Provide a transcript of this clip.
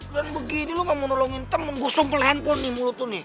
dan begini lu gak mau nolongin temen gue sumpel handphone nih mulut lu nih